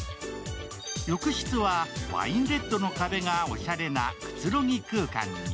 浴室はワインレッドの壁がおしゃれなくつろぎ空間に。